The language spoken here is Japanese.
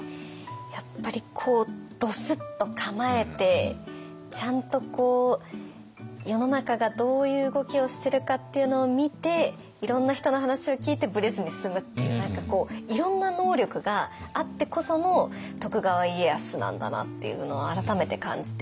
やっぱりこうドスッと構えてちゃんと世の中がどういう動きをしてるかっていうのを見ていろんな人の話を聞いてブレずに進むっていう何かこういろんな能力があってこその徳川家康なんだなっていうのを改めて感じて。